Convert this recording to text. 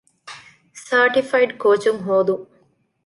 ސާޓިފައިޑް ކޯޗުން ހޯދުން